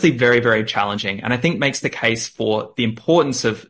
kepada kepentingan polisi penyelidikan commonwealth